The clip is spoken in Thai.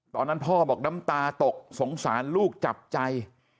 ตอนนั้นพ่อบอกน้ำตาตกสงสารลูกจับใจ